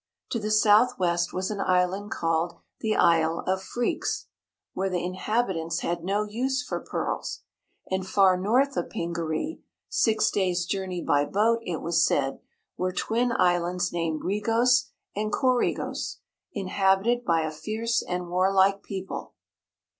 To the southwest was an island called the Isle of Phreex, where the inhabitants had no use for pearls. And far north of Pingaree six days' journey by boat, it was said were twin islands named Regos and Coregos, inhabited by a fierce and warlike people.